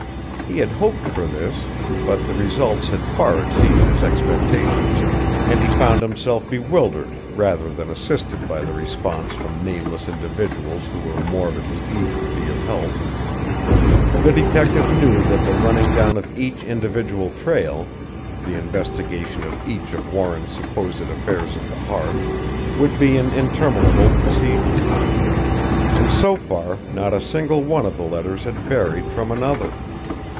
He had hoped for this, but the results had far exceeded his expectations, and he found himself bewildered rather than assisted by the response from nameless individuals who were morbidly eager to be of help. The detective knew that the running down of each individual trail the investigation of each of Warren's supposed affairs of the heart would be an interminable procedure. And so far not a single one of the letters had varied from another.